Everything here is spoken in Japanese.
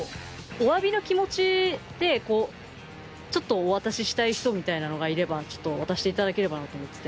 お詫びの気持ちでこうちょっとお渡ししたい人みたいなのがいればちょっと渡していただければなと思ってて。